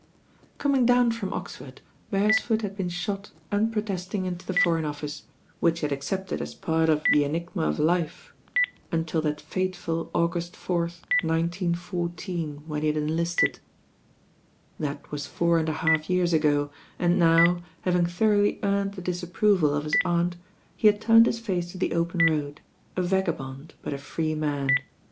Coming down from Oxford, Beresford had been shot unprotesting into the Foreign Office, which he THE ROAD TO NOWHERE S8 I had accepted as part of the enigma of life until that fateful August 4th, 19 14, when he had enlisted. | That was four and a half years ago, and now, having thoroughly earned the disapproval of his aunt, he had turned his face to the open road, a vagabond; but a free man.